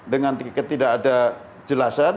dengan ketidak ada jelasan